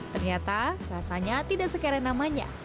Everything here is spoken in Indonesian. ternyata rasanya tidak sekeren namanya